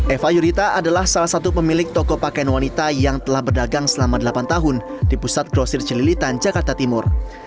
eva yurita adalah salah satu pemilik toko pakaian wanita yang telah berdagang selama delapan tahun di pusat grosir celilitan jakarta timur